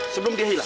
sebelum dia hilang